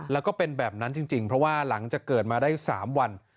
แล้วก็เป็นแบบนั้นจริงเพราะว่าหลังจากเกิดมาได้๓วัน